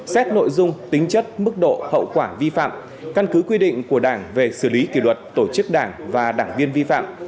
xét nội dung tính chất mức độ hậu quả vi phạm căn cứ quy định của đảng về xử lý kỷ luật tổ chức đảng và đảng viên vi phạm